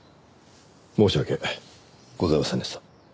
申し訳ございませんでした。